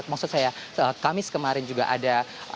maksud saya kamis kemarin juga ada